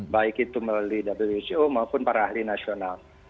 baik itu melalui wco maupun para ahli nasional